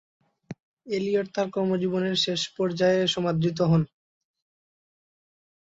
Elliot তার কর্মজীবনের শেষ পর্যায়ে সমাদৃত হন।